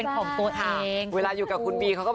มีภาพให้มันสวยเนี่ยครับ